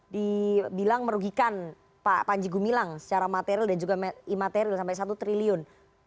dibilang merugikan pak panji gumilang secara material dan juga imaterial sampai satu triliun